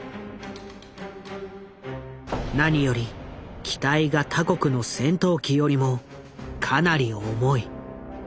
何より機体が他国の戦闘機よりもかなり重い。